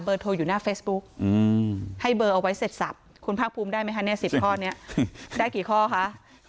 โทรอยู่หน้าเฟซบุ๊กให้เบอร์เอาไว้เสร็จสับคุณภาคภูมิได้ไหมคะเนี่ย๑๐ข้อนี้ได้กี่ข้อคะ